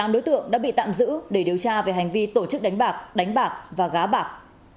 tám đối tượng đã bị tạm giữ để điều tra về hành vi tổ chức đánh bạc đánh bạc và gá bạc